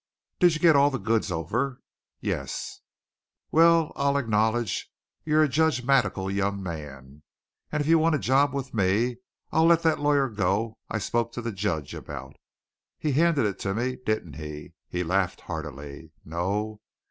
"Did you get all the goods over?" "Yes." "Well, I'll acknowledge you're a judgematical young man; and if you want a job with me I'll let that lawyer go I spoke to the judge about. He handed it to me then, didn't he?" He laughed heartily. "No?